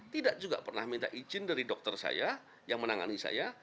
tidak juga pernah minta izin dari dokter saya yang menangani saya